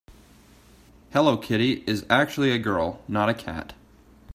Hello Kitty is actually a girl, not a cat.